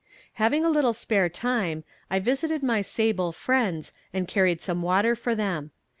Having a little spare time I visited my sable friends and carried some water for them.